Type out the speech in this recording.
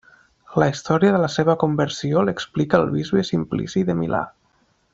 La història de la seva conversió l'explica el bisbe Simplici de Milà.